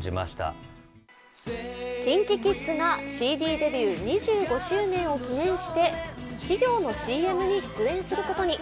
ＫｉｎＫｉＫｉｄｓがＣＤデビュー２５周年を記念して企業のＣＭに出演することに。